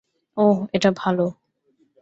ওহ, এটা ভালো।